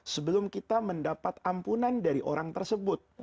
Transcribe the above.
sebelum kita mendapat ampunan dari orang tersebut